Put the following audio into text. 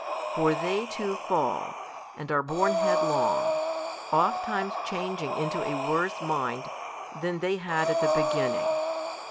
For they too fall, and are borne headlong, oft times changing into a worse mind, than they had at the beginning.